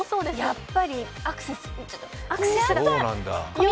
やっぱり、アクセスが。